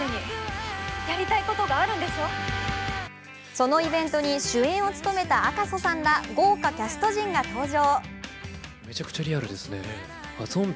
そのイベントに主演を務めた赤楚さんら豪華キャスト陣が登場。